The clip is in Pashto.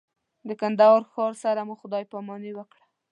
د کندهار ښار سره مو خدای پاماني وکړه.